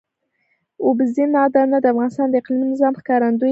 اوبزین معدنونه د افغانستان د اقلیمي نظام ښکارندوی ده.